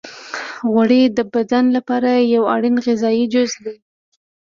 غوړې د بدن لپاره یو اړین غذایي جز دی.